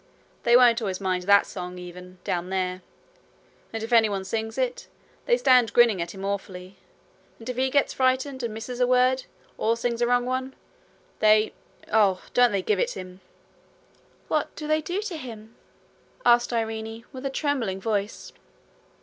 They won't always mind that song even, down there. And if anyone sings it, they stand grinning at him awfully; and if he gets frightened, and misses a word, or says a wrong one, they oh! don't they give it him!' 'What do they do to him?' asked Irene, with a trembling voice.